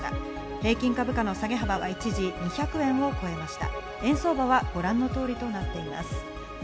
平均株価の下げ幅は一時２００円を超えました。